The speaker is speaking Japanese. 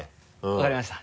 分かりました。